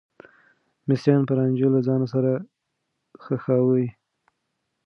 مصريان به رانجه له ځان سره ښخاوه.